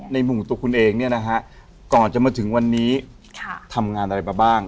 ในมุมตัวคุณเองเนี่ยนะฮะก่อนจะมาถึงวันนี้ทำงานอะไรมาบ้าง